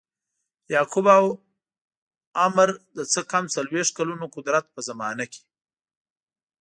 یعقوب او عمرو د څه کم څلویښت کلونو قدرت په زمانه کې.